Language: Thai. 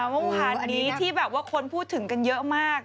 เมื่อวานนี้ที่แบบว่าคนพูดถึงกันเยอะมาก